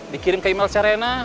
dikirim ke email serena